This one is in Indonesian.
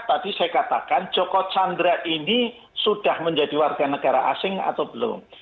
tadi saya katakan joko chandra ini sudah menjadi warga negara asing atau belum